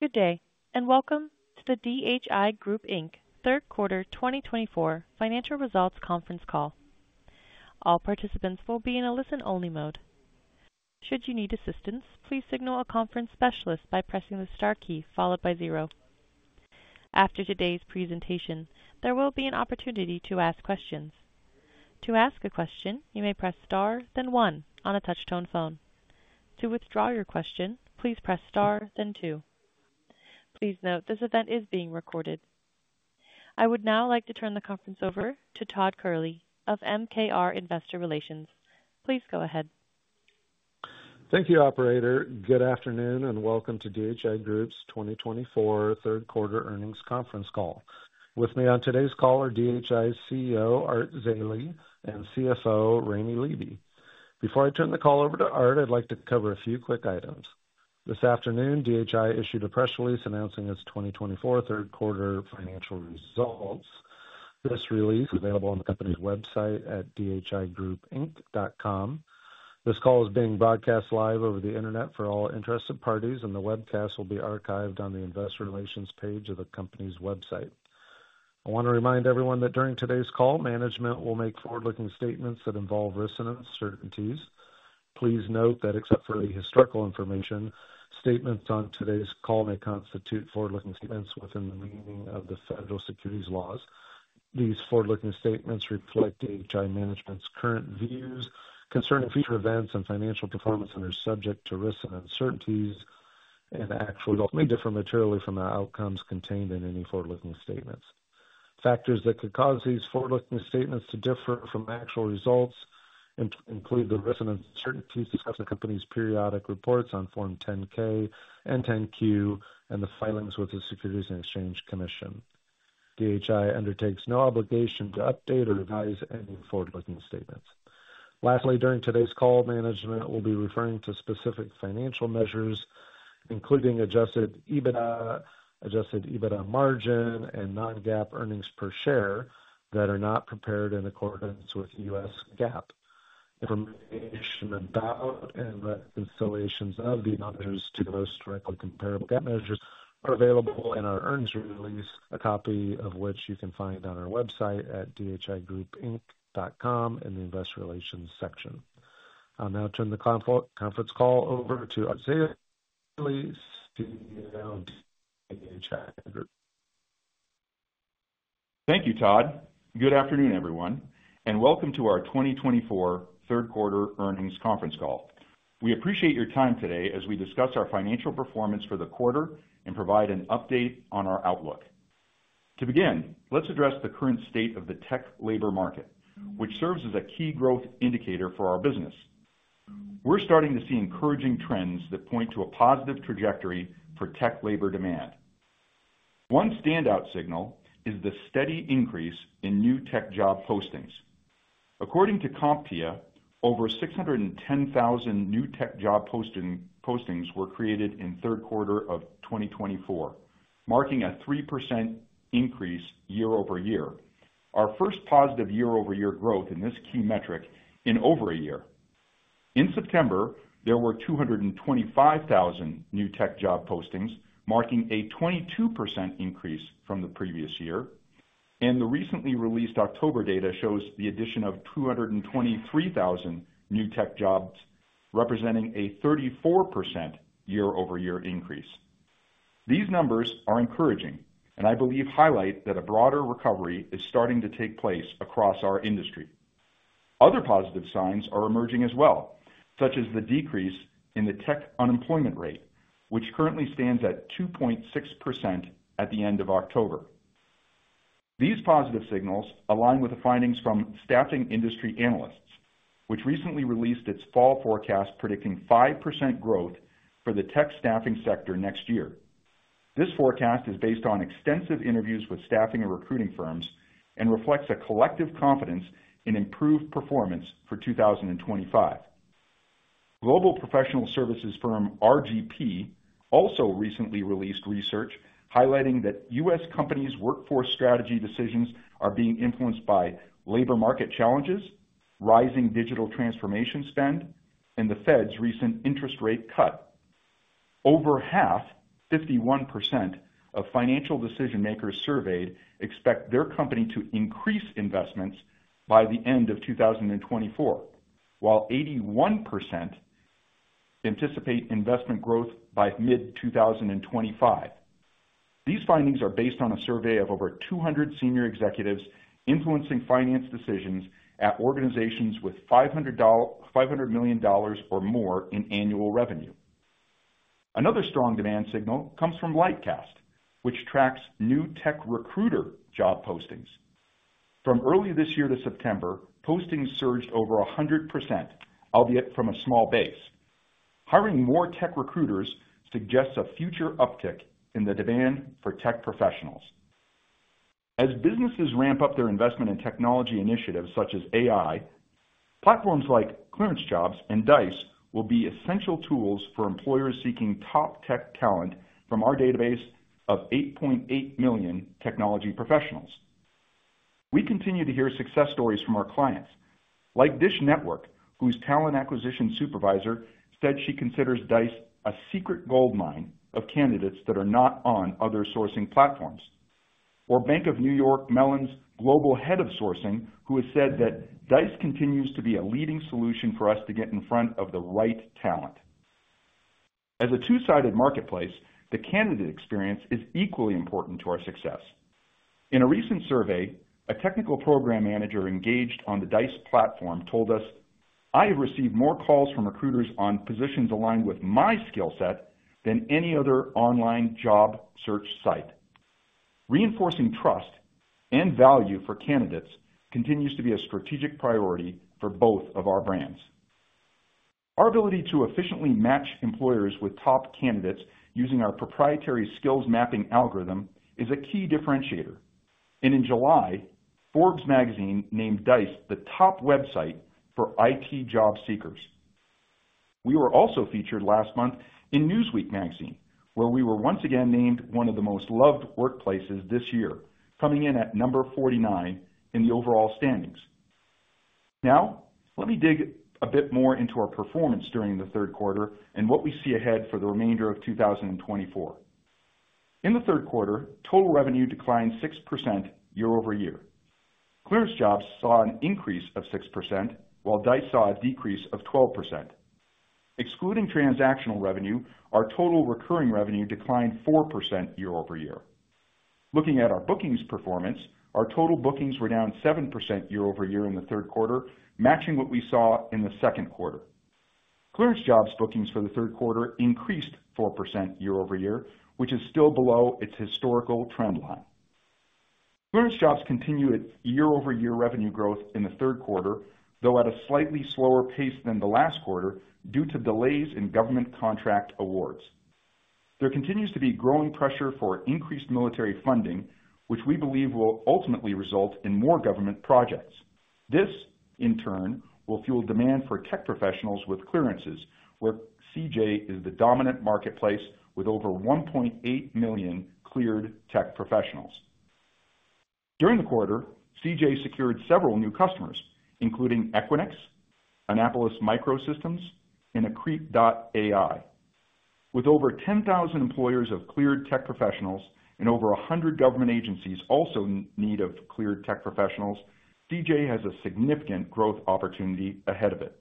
Good day, and welcome to the DHI Group, Inc. Third Quarter 2024 Financial Results Conference Call. All participants will be in a listen-only mode. Should you need assistance, please signal a conference specialist by pressing the star key followed by zero. After today's presentation, there will be an opportunity to ask questions. To ask a question, you may press star, then one on a touch-tone phone. To withdraw your question, please press star, then two. Please note this event is being recorded. I would now like to turn the conference over to Todd Kehrli of MKR Investor Relations. Please go ahead. Thank you, Operator. Good afternoon, and welcome to DHI Group's 2024 Third Quarter Earnings Conference Call. With me on today's call are DHI CEO Art Zeile and CFO Raime Leeby. Before I turn the call over to Art, I'd like to cover a few quick items. This afternoon, DHI issued a press release announcing its 2024 Third Quarter financial results. This release is available on the company's website at dhigroupinc.com. This call is being broadcast live over the internet for all interested parties, and the webcast will be archived on the Investor Relations page of the company's website. I want to remind everyone that during today's call, management will make forward-looking statements that involve risks and uncertainties. Please note that except for the historical information, statements on today's call may constitute forward-looking statements within the meaning of the federal securities laws. These forward-looking statements reflect DHI management's current views concerning future events and financial performance that are subject to risks and uncertainties, and actual results may differ materially from the outcomes contained in any forward-looking statements. Factors that could cause these forward-looking statements to differ from actual results include the risks and uncertainties discussed in the company's periodic reports on Form 10-K and 10-Q, and the filings with the Securities and Exchange Commission. DHI undertakes no obligation to update or revise any forward-looking statements. Lastly, during today's call, management will be referring to specific financial measures, including Adjusted EBITDA, Adjusted EBITDA margin, and Non-GAAP earnings per share that are not prepared in accordance with U.S. GAAP. Information about and reconciliations of the numbers to the most directly comparable GAAP measures are available in our earnings release, a copy of which you can find on our website at dhigroupinc.com in the Investor Relations section. I'll now turn the conference call over to Art Zeile, CEO of DHI Group. Thank you, Todd. Good afternoon, everyone, and welcome to our 2024 Third Quarter Earnings Conference Call. We appreciate your time today as we discuss our financial performance for the quarter and provide an update on our outlook. To begin, let's address the current state of the tech labor market, which serves as a key growth indicator for our business. We're starting to see encouraging trends that point to a positive trajectory for tech labor demand. One standout signal is the steady increase in new tech job postings. According to CompTIA, over 610,000 new tech job postings were created in Third Quarter of 2024, marking a 3% increase year over year. Our first positive year-over-year growth in this key metric in over a year. In September, there were 225,000 new tech job postings, marking a 22% increase from the previous year. And the recently released October data shows the addition of 223,000 new tech jobs, representing a 34% year-over-year increase. These numbers are encouraging, and I believe highlight that a broader recovery is starting to take place across our industry. Other positive signs are emerging as well, such as the decrease in the tech unemployment rate, which currently stands at 2.6% at the end of October. These positive signals align with the findings from Staffing Industry Analysts, which recently released its fall forecast predicting 5% growth for the tech staffing sector next year. This forecast is based on extensive interviews with staffing and recruiting firms and reflects a collective confidence in improved performance for 2025. Global professional services firm RGP also recently released research highlighting that U.S. companies' workforce strategy decisions are being influenced by labor market challenges, rising digital transformation spend, and the Fed's recent interest rate cut. Over half, 51% of financial decision-makers surveyed, expect their company to increase investments by the end of 2024, while 81% anticipate investment growth by mid-2025. These findings are based on a survey of over 200 senior executives influencing finance decisions at organizations with $500 million or more in annual revenue. Another strong demand signal comes from Lightcast, which tracks new tech recruiter job postings. From early this year to September, postings surged over 100%, albeit from a small base. Hiring more tech recruiters suggests a future uptick in the demand for tech professionals. As businesses ramp up their investment in technology initiatives such as AI, platforms like ClearanceJobs and Dice will be essential tools for employers seeking top tech talent from our database of 8.8 million technology professionals. We continue to hear success stories from our clients, like DISH Network, whose talent acquisition supervisor said she considers Dice a secret goldmine of candidates that are not on other sourcing platforms. Or Bank of New York Mellon's global head of sourcing, who has said that Dice continues to be a leading solution for us to get in front of the right talent. As a two-sided marketplace, the candidate experience is equally important to our success. In a recent survey, a technical program manager engaged on the Dice platform told us, "I have received more calls from recruiters on positions aligned with my skill set than any other online job search site." Reinforcing trust and value for candidates continues to be a strategic priority for both of our brands. Our ability to efficiently match employers with top candidates using our proprietary skills mapping algorithm is a key differentiator. In July, Forbes Magazine named Dice the top website for IT job seekers. We were also featured last month in Newsweek Magazine, where we were once again named one of the most loved workplaces this year, coming in at number 49 in the overall standings. Now, let me dig a bit more into our performance during the Third Quarter and what we see ahead for the remainder of 2024. In the Third Quarter, total revenue declined 6% year-over-year. ClearanceJobs saw an increase of 6%, while Dice saw a decrease of 12%. Excluding transactional revenue, our total recurring revenue declined 4% year-over-year. Looking at our bookings performance, our total bookings were down 7% year-over-year in the Third Quarter, matching what we saw in the Second Quarter. ClearanceJobs bookings for the Third Quarter increased 4% year-over-year, which is still below its historical trend line. ClearanceJobs continue at year-over-year revenue growth in the third quarter, though at a slightly slower pace than the last quarter due to delays in government contract awards. There continues to be growing pressure for increased military funding, which we believe will ultimately result in more government projects. This, in turn, will fuel demand for tech professionals with clearances, where CJ is the dominant marketplace with over 1.8 million cleared tech professionals. During the quarter, CJ secured several new customers, including Equinix, Annapolis Micro Systems, and Accrete AI. With over 10,000 employers of cleared tech professionals and over 100 government agencies also in need of cleared tech professionals, CJ has a significant growth opportunity ahead of it.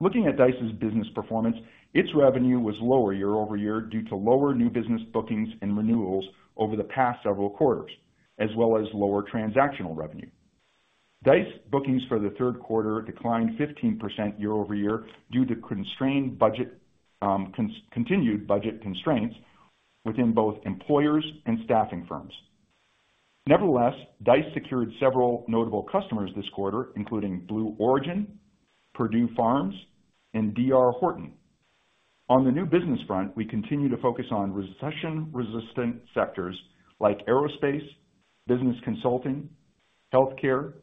Looking at Dice's business performance, its revenue was lower year-over-year due to lower new business bookings and renewals over the past several quarters, as well as lower transactional revenue. Dice bookings for the third quarter declined 15% year-over-year due to continued budget constraints within both employers and staffing firms. Nevertheless, Dice secured several notable customers this quarter, including Blue Origin, Perdue Farms, and D.R. Horton. On the new business front, we continue to focus on recession-resistant sectors like aerospace, business consulting, healthcare,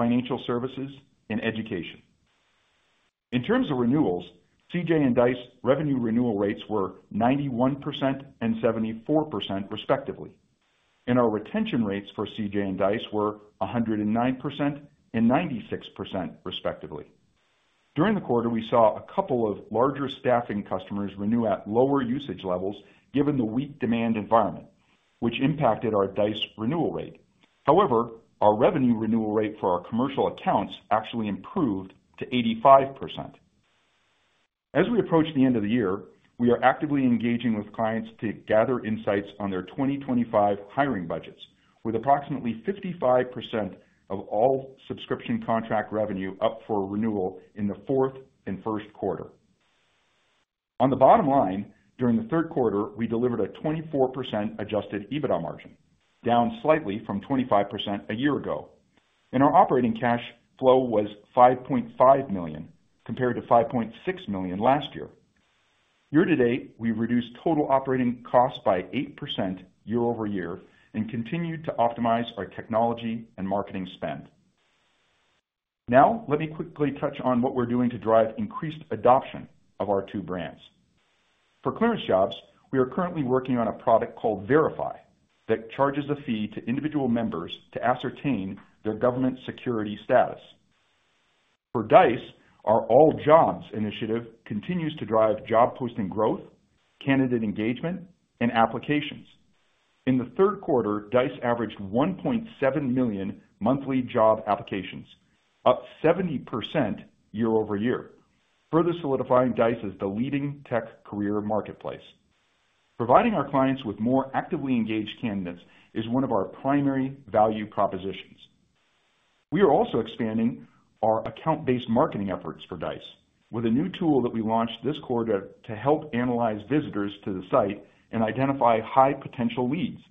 financial services, and education. In terms of renewals, CJ and Dice revenue renewal rates were 91% and 74%, respectively. Our retention rates for CJ and Dice were 109% and 96%, respectively. During the quarter, we saw a couple of larger staffing customers renew at lower usage levels given the weak demand environment, which impacted our Dice renewal rate. However, our revenue renewal rate for our commercial accounts actually improved to 85%. As we approach the end of the year, we are actively engaging with clients to gather insights on their 2025 hiring budgets, with approximately 55% of all subscription contract revenue up for renewal in the Fourth and First Quarter. On the bottom line, during the Third Quarter, we delivered a 24% Adjusted EBITDA margin, down slightly from 25% a year ago, and our operating cash flow was $5.5 million compared to $5.6 million last year. Year to date, we've reduced total operating costs by 8% year-over-year and continued to optimize our technology and marketing spend. Now, let me quickly touch on what we're doing to drive increased adoption of our two brands. For ClearanceJobs, we are currently working on a product called Verify that charges a fee to individual members to ascertain their government security status. For Dice, our All Jobs initiative continues to drive job posting growth, candidate engagement, and applications. In the Third Quarter, Dice averaged 1.7 million monthly job applications, up 70% year-over-year, further solidifying Dice as the leading tech career marketplace. Providing our clients with more actively engaged candidates is one of our primary value propositions. We are also expanding our account-based marketing efforts for Dice with a new tool that we launched this quarter to help analyze visitors to the site and identify high potential leads.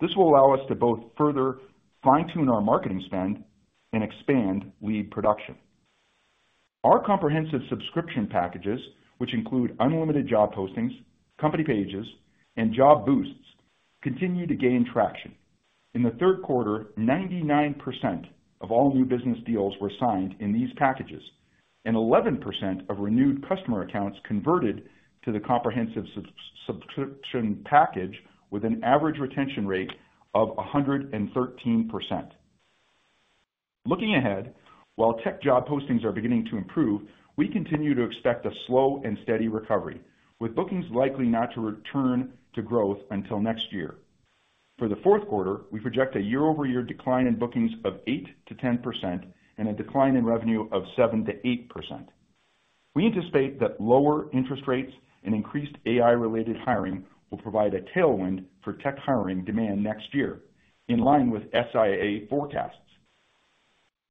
This will allow us to both further fine-tune our marketing spend and expand lead production. Our comprehensive subscription packages, which include unlimited job postings, company pages, and job boosts, continue to gain traction. In the Third Quarter, 99% of all new business deals were signed in these packages, and 11% of renewed customer accounts converted to the comprehensive subscription package, with an average retention rate of 113%. Looking ahead, while tech job postings are beginning to improve, we continue to expect a slow and steady recovery, with bookings likely not to return to growth until next year. For the Fourth Quarter, we project a year-over-year decline in bookings of 8%-10% and a decline in revenue of 7%-8%. We anticipate that lower interest rates and increased AI-related hiring will provide a tailwind for tech hiring demand next year, in line with SIA forecasts.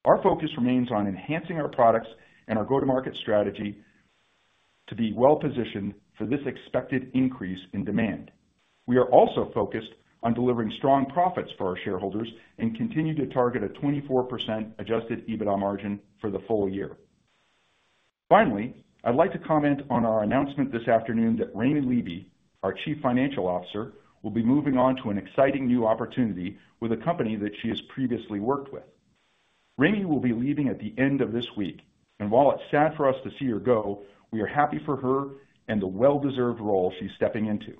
Our focus remains on enhancing our products and our go-to-market strategy to be well-positioned for this expected increase in demand. We are also focused on delivering strong profits for our shareholders and continue to target a 24% Adjusted EBITDA margin for the full year. Finally, I'd like to comment on our announcement this afternoon that Raime Leeby, our Chief Financial Officer, will be moving on to an exciting new opportunity with a company that she has previously worked with. Raime will be leaving at the end of this week, and while it's sad for us to see her go, we are happy for her and the well-deserved role she's stepping into.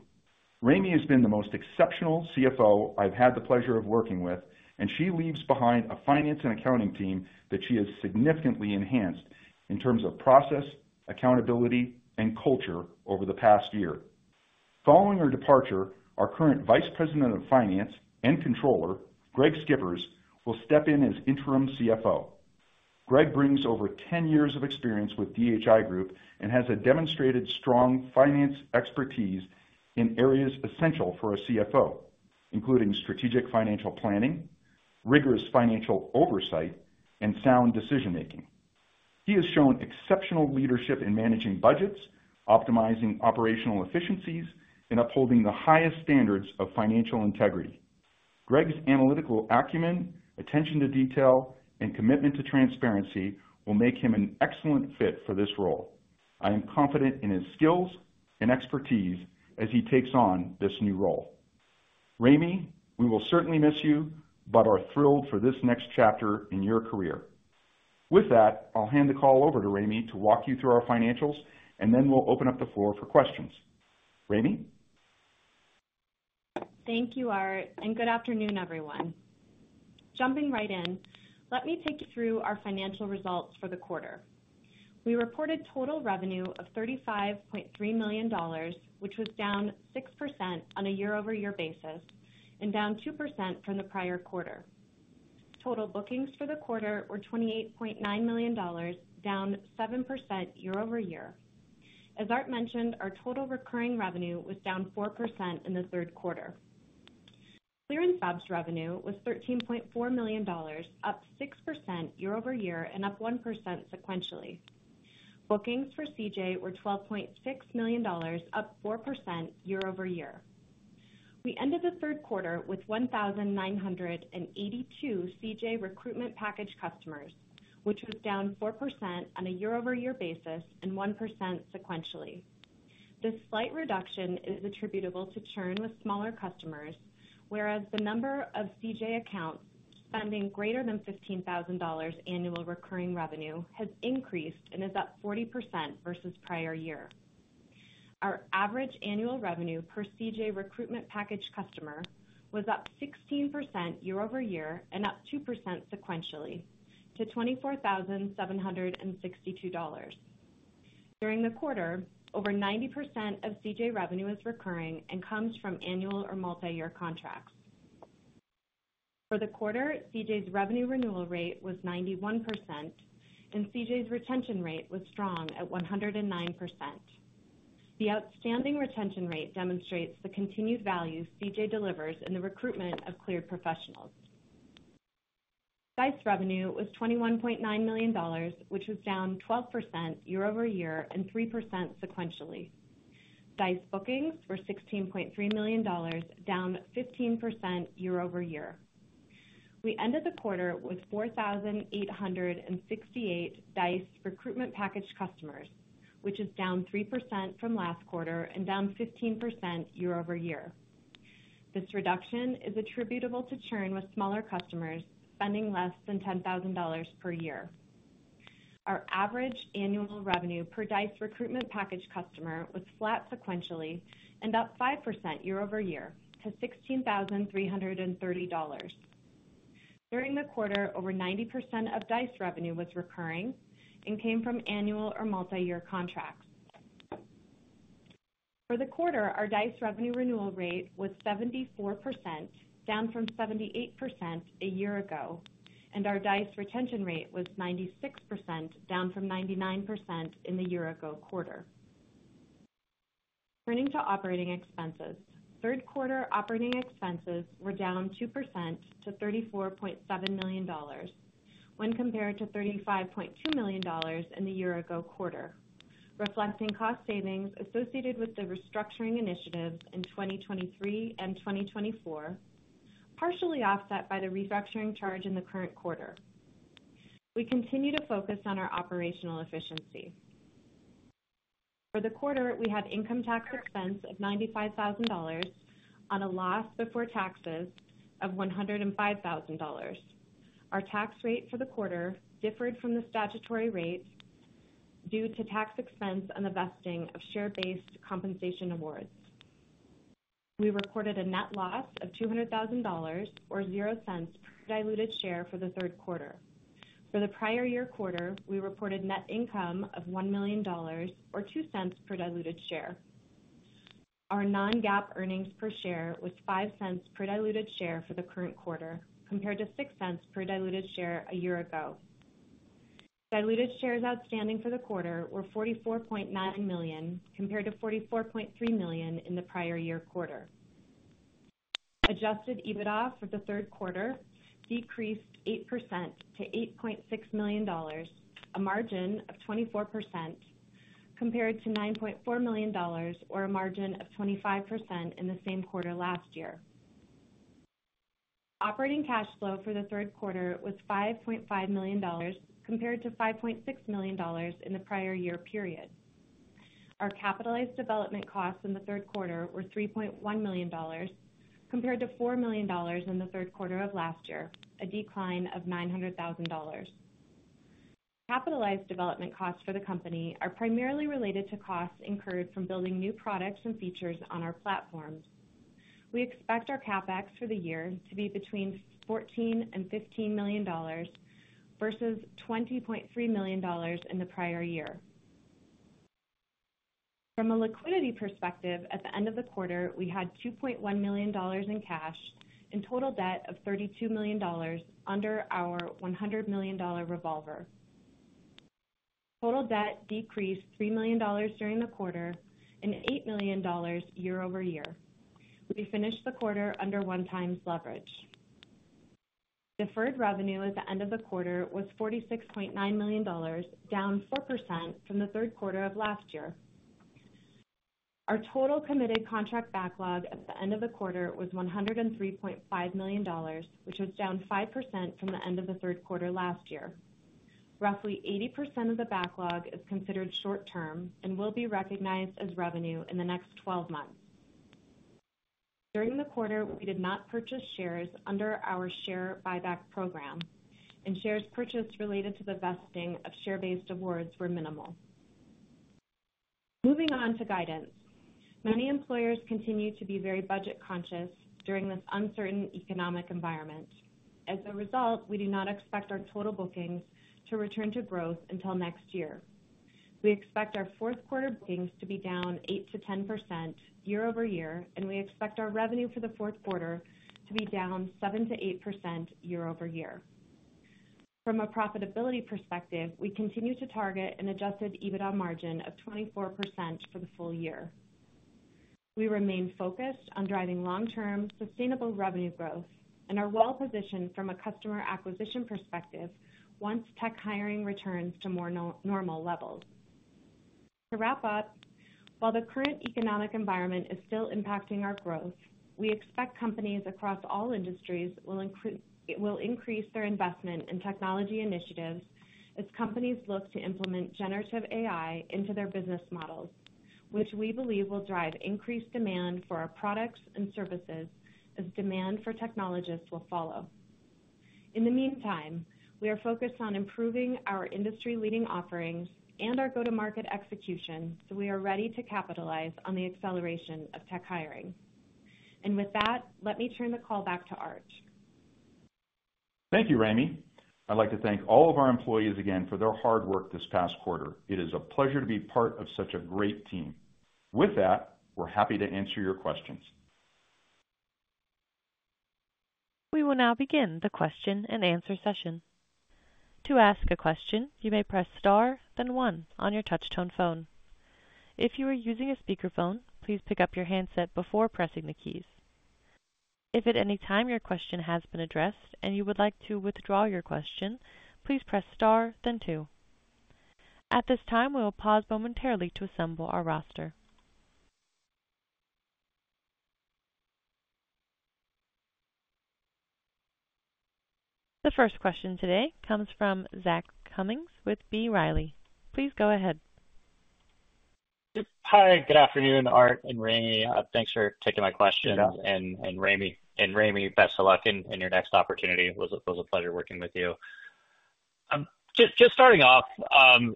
Raime has been the most exceptional CFO I've had the pleasure of working with, and she leaves behind a finance and accounting team that she has significantly enhanced in terms of process, accountability, and culture over the past year. Following her departure, our current Vice President of Finance and Controller, Greg Skippers, will step in as Interim CFO. Greg brings over 10 years of experience with DHI Group and has demonstrated strong finance expertise in areas essential for a CFO, including strategic financial planning, rigorous financial oversight, and sound decision-making. He has shown exceptional leadership in managing budgets, optimizing operational efficiencies, and upholding the highest standards of financial integrity. Greg's analytical acumen, attention to detail, and commitment to transparency will make him an excellent fit for this role. I am confident in his skills and expertise as he takes on this new role. Raime, we will certainly miss you, but are thrilled for this next chapter in your career. With that, I'll hand the call over to Raime to walk you through our financials, and then we'll open up the floor for questions. Raime? Thank you, Art, and good afternoon, everyone. Jumping right in, let me take you through our financial results for the quarter. We reported total revenue of $35.3 million, which was down 6% on a year-over-year basis and down 2% from the prior quarter. Total bookings for the quarter were $28.9 million, down 7% year-over-year. As Art mentioned, our total recurring revenue was down 4% in the third quarter. ClearanceJobs revenue was $13.4 million, up 6% year-over-year and up 1% sequentially. Bookings for CJ were $12.6 million, up 4% year-over-year. We ended the third quarter with 1,982 CJ recruitment package customers, which was down 4% on a year-over-year basis and 1% sequentially. This slight reduction is attributable to churn with smaller customers, whereas the number of CJ accounts spending greater than $15,000 annual recurring revenue has increased and is up 40% versus prior year. Our average annual revenue per CJ recruitment package customer was up 16% year-over-year and up 2% sequentially to $24,762. During the quarter, over 90% of CJ revenue is recurring and comes from annual or multi-year contracts. For the quarter, CJ's revenue renewal rate was 91%, and CJ's retention rate was strong at 109%. The outstanding retention rate demonstrates the continued value CJ delivers in the recruitment of cleared professionals. Dice revenue was $21.9 million, which was down 12% year-over-year and 3% sequentially. Dice bookings were $16.3 million, down 15% year-over-year. We ended the quarter with 4,868 Dice recruitment package customers, which is down 3% from last quarter and down 15% year-over-year. This reduction is attributable to churn with smaller customers spending less than $10,000 per year. Our average annual revenue per Dice recruitment package customer was flat sequentially and up 5% year-over-year to $16,330. During the quarter, over 90% of Dice revenue was recurring and came from annual or multi-year contracts. For the quarter, our Dice revenue renewal rate was 74%, down from 78% a year ago, and our Dice retention rate was 96%, down from 99% in the year-ago quarter. Turning to operating expenses, third quarter operating expenses were down 2% to $34.7 million when compared to $35.2 million in the year-ago quarter, reflecting cost savings associated with the restructuring initiatives in 2023 and 2024, partially offset by the restructuring charge in the current quarter. We continue to focus on our operational efficiency. For the quarter, we had income tax expense of $95,000 on a loss before taxes of $105,000. Our tax rate for the quarter differed from the statutory rate due to tax expense on the vesting of share-based compensation awards. We reported a net loss of $200,000 or $0.00 per diluted share for the third quarter. For the prior year quarter, we reported net income of $1 million or $0.02 per diluted share. Our non-GAAP earnings per share was $0.05 per diluted share for the current quarter, compared to $0.06 per diluted share a year ago. Diluted shares outstanding for the quarter were 44.9 million, compared to 44.3 million in the prior year quarter. Adjusted EBITDA for the Third Quarter decreased 8% to $8.6 million, a margin of 24%, compared to $9.4 million or a margin of 25% in the same quarter last year. Operating cash flow for the Third Quarter was $5.5 million, compared to $5.6 million in the prior year period. Our capitalized development costs in the Third Quarter were $3.1 million, compared to $4 million in the Third Quarter of last year, a decline of $900,000. Capitalized development costs for the company are primarily related to costs incurred from building new products and features on our platforms. We expect our CapEx for the year to be between $14 and $15 million versus $20.3 million in the prior year. From a liquidity perspective, at the end of the quarter, we had $2.1 million in cash and total debt of $32 million under our $100 million revolver. Total debt decreased $3 million during the quarter and $8 million year-over-year. We finished the quarter under one times leverage. Deferred revenue at the end of the quarter was $46.9 million, down 4% from the third quarter of last year. Our total committed contract backlog at the end of the quarter was $103.5 million, which was down 5% from the end of the third quarter last year. Roughly 80% of the backlog is considered short-term and will be recognized as revenue in the next 12 months. During the quarter, we did not purchase shares under our share buyback program, and shares purchased related to the vesting of share-based awards were minimal. Moving on to guidance, many employers continue to be very budget-conscious during this uncertain economic environment. As a result, we do not expect our total bookings to return to growth until next year. We expect our Fourth Quarter bookings to be down 8%-10% year-over-year, and we expect our revenue for the Fourth Quarter to be down 7%-8% year-over-year. From a profitability perspective, we continue to target an Adjusted EBITDA margin of 24% for the full year. We remain focused on driving long-term sustainable revenue growth and are well-positioned from a customer acquisition perspective once tech hiring returns to more normal levels. To wrap up, while the current economic environment is still impacting our growth, we expect companies across all industries will increase their investment in technology initiatives as companies look to implement generative AI into their business models, which we believe will drive increased demand for our products and services as demand for technologists will follow. In the meantime, we are focused on improving our industry-leading offerings and our go-to-market execution, so we are ready to capitalize on the acceleration of tech hiring. And with that, let me turn the call back to Art. Thank you, Raime. I'd like to thank all of our employees again for their hard work this past quarter. It is a pleasure to be part of such a great team. With that, we're happy to answer your questions. We will now begin the question and answer session. To ask a question, you may press star, then one on your touch-tone phone. If you are using a speakerphone, please pick up your handset before pressing the keys. If at any time your question has been addressed and you would like to withdraw your question, please press star, then two. At this time, we will pause momentarily to assemble our roster. The first question today comes from Zach Cummins with B. Riley. Please go ahead. Hi, good afternoon, Art and Raime. Thanks for taking my question. And Raime, best of luck in your next opportunity. It was a pleasure working with you. Just starting off,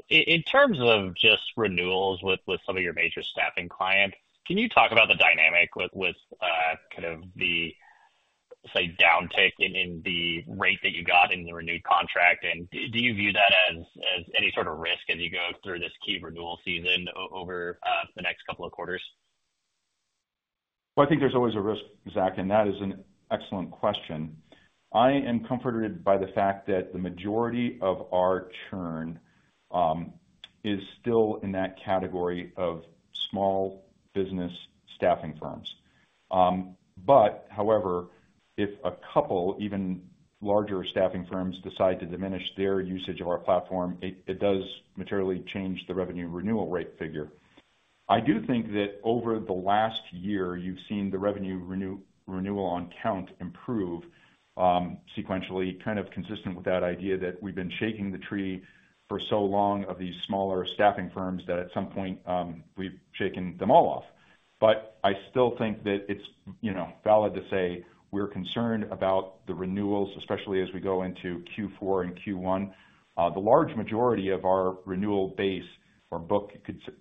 in terms of just renewals with some of your major staffing clients, can you talk about the dynamic with kind of the, say, downtick in the rate that you got in the renewed contract? Do you view that as any sort of risk as you go through this key renewal season over the next couple of quarters? Well, I think there's always a risk, Zach, and that is an excellent question. I am comforted by the fact that the majority of our churn is still in that category of small business staffing firms. But, however, if a couple, even larger staffing firms, decide to diminish their usage of our platform, it does materially change the revenue renewal rate figure. I do think that over the last year, you've seen the revenue renewal on count improve sequentially, kind of consistent with that idea that we've been shaking the tree for so long of these smaller staffing firms that at some point we've shaken them all off. But I still think that it's valid to say we're concerned about the renewals, especially as we go into Q4 and Q1. The large majority of our renewal base or book,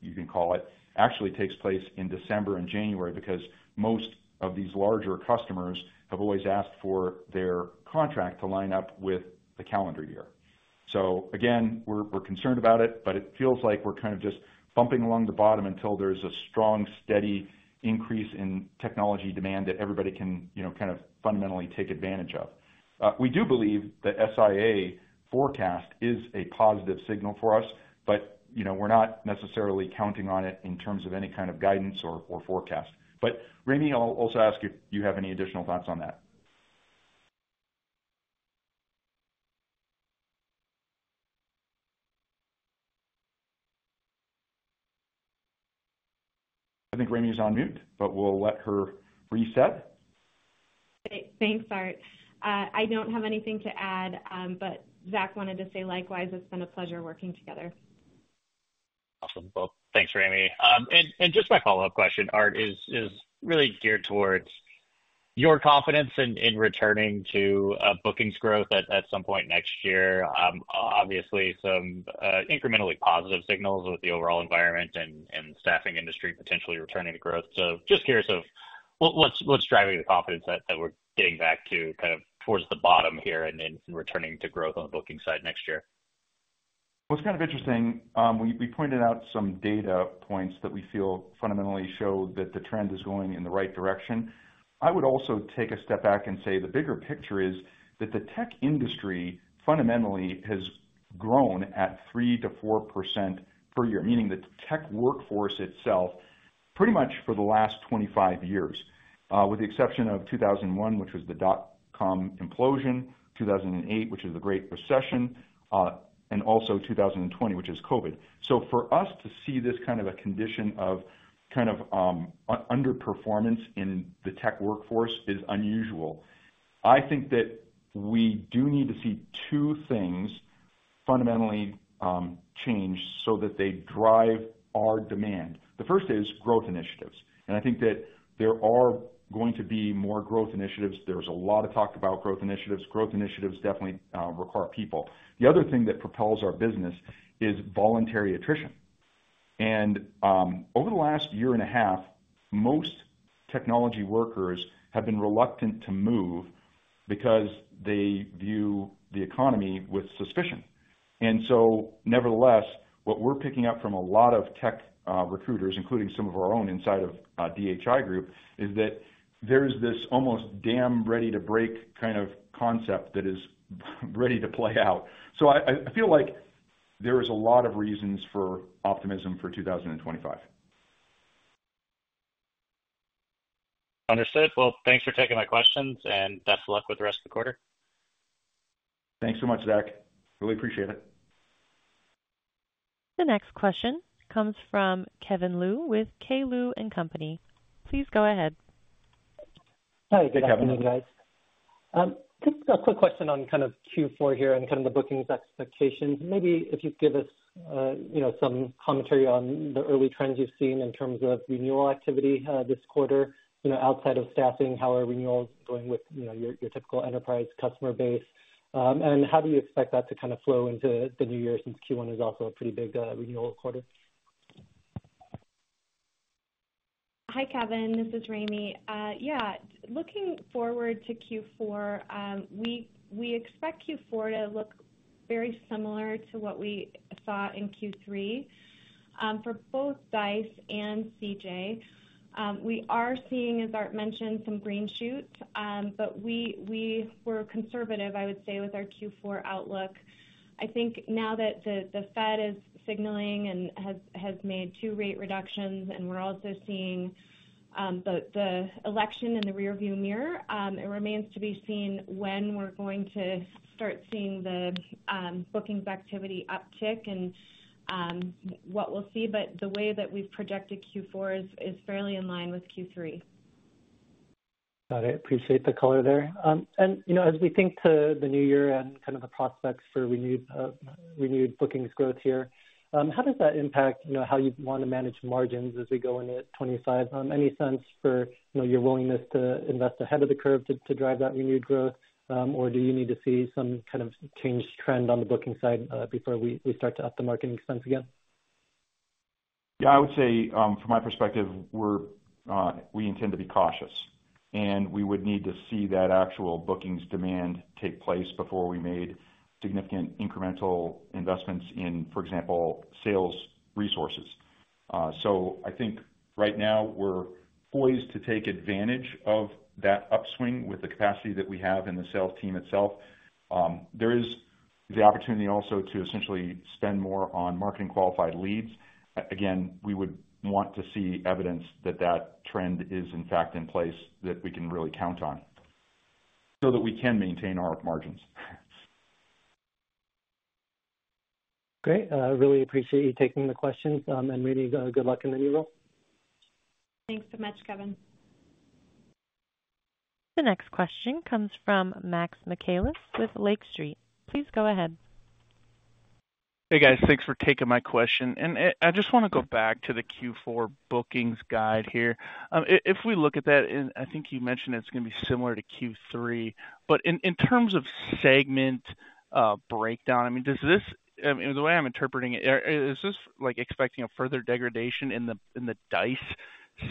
you can call it, actually takes place in December and January because most of these larger customers have always asked for their contract to line up with the calendar year. So again, we're concerned about it, but it feels like we're kind of just bumping along the bottom until there's a strong, steady increase in technology demand that everybody can kind of fundamentally take advantage of. We do believe the SIA forecast is a positive signal for us, but we're not necessarily counting on it in terms of any kind of guidance or forecast. But Raime, I'll also ask if you have any additional thoughts on that. I think Raime is on mute, but we'll let her reset. Thanks, Art. I don't have anything to add, but Zach wanted to say likewise. It's been a pleasure working together. Awesome. Well, thanks, Raime. And just my follow-up question, Art, is really geared towards your confidence in returning to bookings growth at some point next year. Obviously, some incrementally positive signals with the overall environment and staffing industry potentially returning to growth. So just curious of what's driving the confidence that we're getting back to kind of towards the bottom here and returning to growth on the booking side next year. Well, it's kind of interesting. We pointed out some data points that we feel fundamentally show that the trend is going in the right direction. I would also take a step back and say the bigger picture is that the tech industry fundamentally has grown at 3%-4% per year, meaning the tech workforce itself pretty much for the last 25 years, with the exception of 2001, which was the dot-com implosion, 2008, which was the Great Recession, and also 2020, which is COVID. So for us to see this kind of a condition of kind of underperformance in the tech workforce is unusual. I think that we do need to see two things fundamentally change so that they drive our demand. The first is growth initiatives. And I think that there are going to be more growth initiatives. There's a lot of talk about growth initiatives. Growth initiatives definitely require people. The other thing that propels our business is voluntary attrition. Over the last year and a half, most technology workers have been reluctant to move because they view the economy with suspicion. And so nevertheless, what we're picking up from a lot of tech recruiters, including some of our own inside of DHI Group, is that there's this almost damn ready to break kind of concept that is ready to play out. So I feel like there is a lot of reasons for optimism for 2025. Understood. Well, thanks for taking my questions, and best of luck with the rest of the quarter. Thanks so much, Zach. Really appreciate it. The next question comes from Kevin Liu with K. Liu & Company. Please go ahead. Hi. Good afternoon, guys. Just a quick question on kind of Q4 here and kind of the bookings expectations. Maybe if you could give us some commentary on the early trends you've seen in terms of renewal activity this quarter outside of staffing, how are renewals going with your typical enterprise customer base? And how do you expect that to kind of flow into the new year since Q1 is also a pretty big renewal quarter? Hi, Kevin. This is Raime. Yeah. Looking forward to Q4, we expect Q4 to look very similar to what we saw in Q3. For both Dice and CJ, we are seeing, as Art mentioned, some green shoots, but we were conservative, I would say, with our Q4 outlook. I think now that the Fed is signaling and has made two rate reductions, and we're also seeing the election in the rearview mirror, it remains to be seen when we're going to start seeing the bookings activity uptick and what we'll see. But the way that we've projected Q4 is fairly in line with Q3. Got it. Appreciate the color there. And as we think to the new year and kind of the prospects for renewed bookings growth here, how does that impact how you'd want to manage margins as we go into 25? Any sense for your willingness to invest ahead of the curve to drive that renewed growth? Or do you need to see some kind of changed trend on the booking side before we start to up the marketing expense again? Yeah. I would say, from my perspective, we intend to be cautious. And we would need to see that actual bookings demand take place before we made significant incremental investments in, for example, sales resources. So I think right now we're poised to take advantage of that upswing with the capacity that we have in the sales team itself. There is the opportunity also to essentially spend more on marketing qualified leads. Again, we would want to see evidence that that trend is, in fact, in place that we can really count on so that we can maintain our margins. Great. I really appreciate you taking the questions and really good luck in the new role. Thanks so much, Kevin. The next question comes from Max Michaelis with Lake Street. Please go ahead. Hey, guys. Thanks for taking my question. And I just want to go back to the Q4 bookings guide here. If we look at that, and I think you mentioned it's going to be similar to Q3. But in terms of segment breakdown, I mean, does this, I mean, the way I'm interpreting it, is this expecting a further degradation in the Dice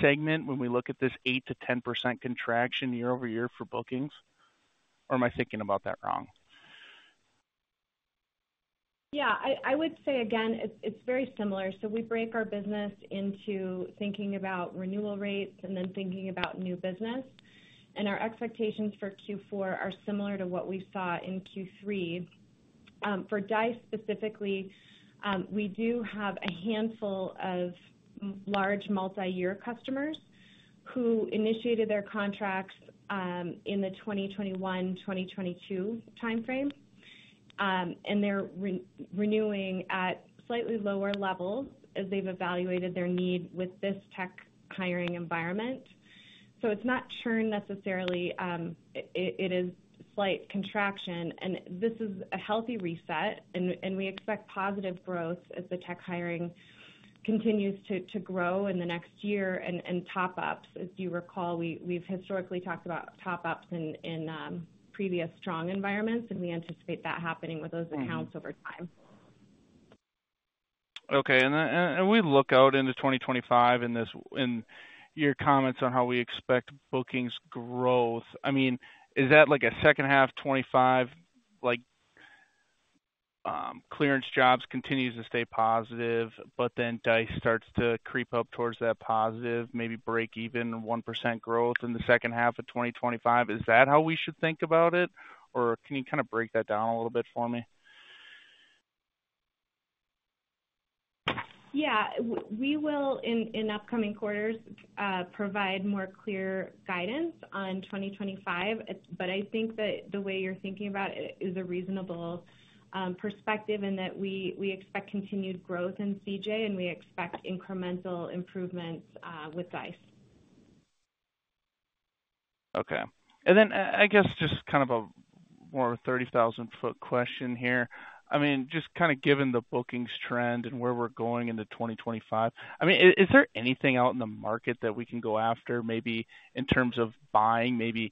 segment when we look at this 8%-10% contraction year over year for bookings? Or am I thinking about that wrong? Yeah. I would say, again, it's very similar. So we break our business into thinking about renewal rates and then thinking about new business. And our expectations for Q4 are similar to what we saw in Q3. For Dice specifically, we do have a handful of large multi-year customers who initiated their contracts in the 2021, 2022 timeframe. And they're renewing at slightly lower levels as they've evaluated their need with this tech hiring environment. So it's not churn necessarily. It is slight contraction. And this is a healthy reset. We expect positive growth as the tech hiring continues to grow in the next year and top-ups. As you recall, we've historically talked about top-ups in previous strong environments. We anticipate that happening with those accounts over time. Okay. We look out into 2025 and your comments on how we expect bookings growth. I mean, is that like a second half 2025, ClearanceJobs continue to stay positive, but then Dice starts to creep up towards that positive, maybe break even 1% growth in the second half of 2025? Is that how we should think about it? Or can you kind of break that down a little bit for me? Yeah. We will, in upcoming quarters, provide more clear guidance on 2025. But I think that the way you're thinking about it is a reasonable perspective in that we expect continued growth in CJ, and we expect incremental improvements with Dice. Okay. And then I guess just kind of a more 30,000-foot question here. I mean, just kind of given the bookings trend and where we're going into 2025, I mean, is there anything out in the market that we can go after, maybe in terms of buying, maybe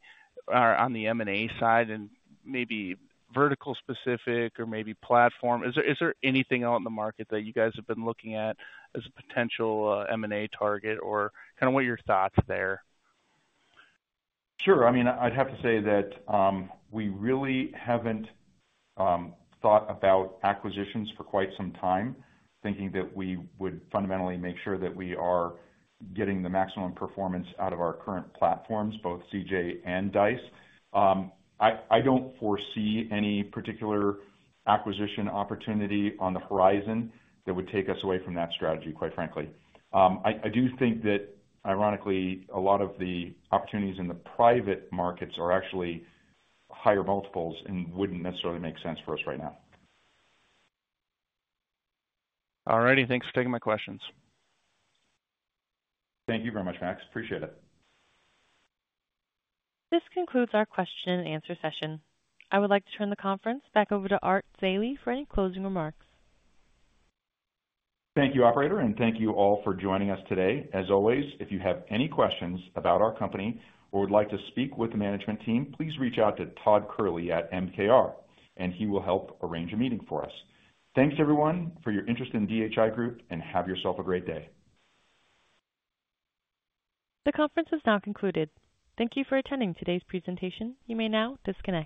on the M&A side and maybe vertical-specific or maybe platform? Is there anything out in the market that you guys have been looking at as a potential M&A target or kind of what your thoughts there? Sure. I mean, I'd have to say that we really haven't thought about acquisitions for quite some time, thinking that we would fundamentally make sure that we are getting the maximum performance out of our current platforms, both CJ and Dice. I don't foresee any particular acquisition opportunity on the horizon that would take us away from that strategy, quite frankly. I do think that, ironically, a lot of the opportunities in the private markets are actually higher multiples and wouldn't necessarily make sense for us right now. All righty. Thanks for taking my questions. Thank you very much, Max. Appreciate it. This concludes our question-and-answer session. I would like to turn the conference back over to Art Zeile for any closing remarks. Thank you, operator. And thank you all for joining us today. As always, if you have any questions about our company or would like to speak with the management team, please reach out to Todd Kehrli at MKR, and he will help arrange a meeting for us. Thanks, everyone, for your interest in DHI Group, and have yourself a great day. The conference is now concluded. Thank you for attending today's presentation. You may now disconnect.